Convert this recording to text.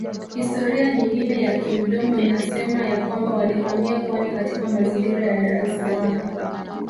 Historia nyingine ya kimdomo inasema ya kwamba walihamia pwani katika mazingira ya Daressalaam